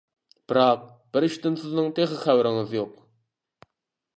بىراق، بىر ئىشتىن سىزنىڭ تېخى خەۋىرىڭىز يوق.